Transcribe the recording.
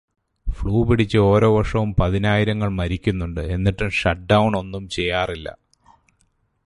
Flu പിടിച്ചു ഓരോ വർഷവും പതിനായിരങ്ങൾ മരിക്കുന്നുണ്ട് എന്നിട്ടും ഷട്ട് ഡൗൺ ഒന്നും ചെയ്യാറില്ല.